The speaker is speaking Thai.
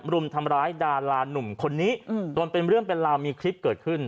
รุมทำร้ายดารานุ่มคนนี้โดนเป็นเรื่องเป็นราวมีคลิปเกิดขึ้น